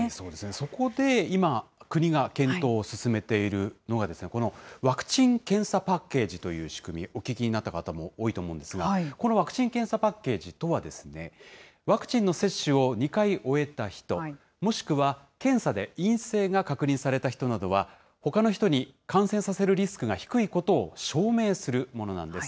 そこで今、国が検討を進めているのが、このワクチン・検査パッケージという仕組み、お聞きになった方も多いと思うんですが、このワクチン・検査パッケージとは、ワクチンの接種を２回終えた人、もしくは検査で陰性が確認された人などは、ほかの人に感染させるリスクが低いことを証明するものなんです。